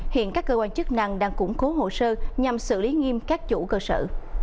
hiện các cơ quan chức năng đang củng cố hồ sơ nhằm xử lý nghiêm các chủ cơ sở